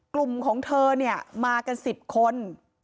กลุ่มของเธอเนี่ยมากัน๑๐คน